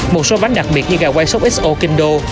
một số bánh đặc biệt như gà quay xốp xo kinh đô